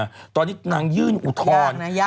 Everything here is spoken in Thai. คุณหมอโดนกระช่าคุณหมอโดนกระช่า